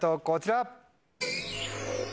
こちら。